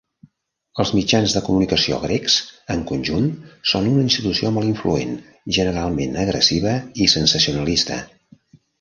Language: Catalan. Els mitjans de comunicació grecs, en conjunt, són una institució molt influent, generalment agressiva i sensacionalista.